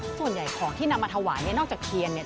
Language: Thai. ส่วนใหญ่ของที่นำมาถวายเนี่ยนอกจากเทียนเนี่ย